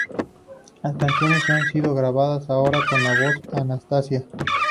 Las canciones se han sido regrabadas ahora con la voz Anastasia.